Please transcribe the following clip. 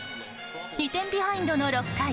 ２点ビハインドの６回。